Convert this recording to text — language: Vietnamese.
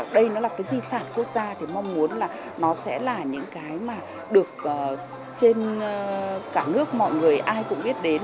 đây nó là cái di sản quốc gia thì mong muốn là nó sẽ là những cái mà được trên cả nước mọi người ai cũng biết đến